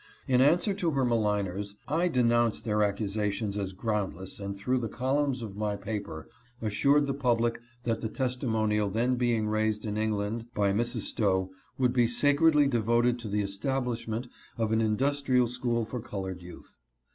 In answer to her maligners, I denounced their accusations as groundless and through the columns of my paper, assured the public that the testimonial then being raised in England by Mrs. Stowe would be sacredly devoted to the establishment of an industrial school for colored youth.